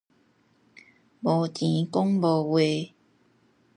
無錢講無話